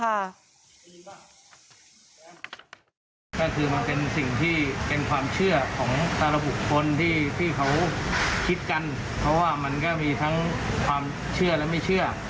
ก็คือมันเป็นสิ่งที่เป็นความเชื่อของแต่ละบุคคลที่เขาคิดกันเพราะว่ามันก็มีทั้งความเชื่อและไม่เชื่อ